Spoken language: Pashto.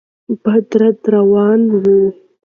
بدتري راروانه وه.